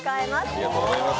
ありがとうございます。